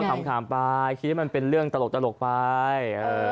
ก็ขำขามไปคิดมันเป็นเรื่องตลกไป